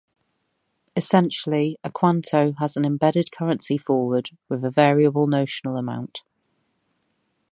Essentially, a quanto has an embedded currency forward with a variable notional amount.